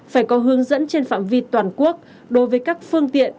phải có hướng dẫn trên phạm vi toàn quốc đối với các phương tiện